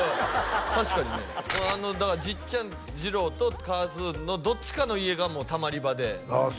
確かにねだからじっちゃん二郎とかーずーのどっちかの家がたまり場でああ